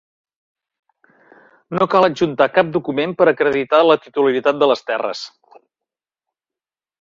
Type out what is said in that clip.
No cal adjuntar cap document per acreditar la titularitat de les terres.